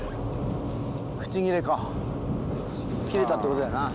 口切れか切れたってことだよなあ